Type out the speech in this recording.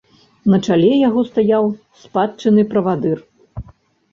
На чале яго стаяў спадчынны правадыр.